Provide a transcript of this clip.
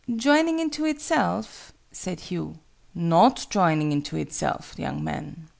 "Joining into itself?" said Hugh. "Not joining into itself, young man.